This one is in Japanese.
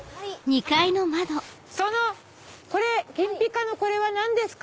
その金ぴかのこれは何ですか？